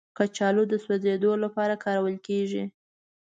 کچالو د سوځیدو لپاره کارول کېږي